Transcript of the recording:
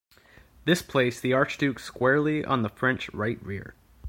This placed the archduke squarely on the French right rear.